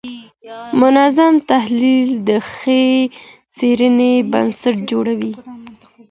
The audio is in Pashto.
منظم تحلیل د ښې څېړني بنسټ جوړوي.